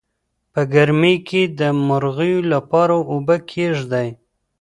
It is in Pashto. په ګرمۍ کې د مرغیو لپاره اوبه کیږدئ.